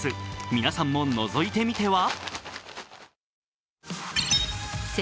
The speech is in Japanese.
皆さんものぞいてみては？